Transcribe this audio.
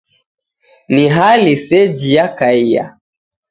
Ni hali seji yakaiya